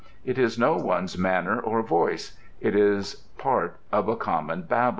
ŌĆØ It is no oneŌĆÖs manner or voice. It is part of a common babel.